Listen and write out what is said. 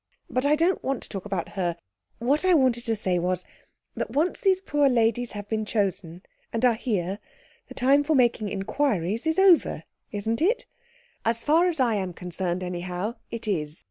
But I don't want to talk about her. What I wanted to say was, that once these poor ladies have been chosen and are here, the time for making inquiries is over, isn't it? As far as I am concerned, anyhow, it is.